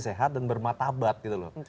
sehat dan bermatabat gitu loh